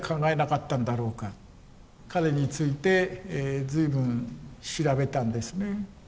彼について随分調べたんですね。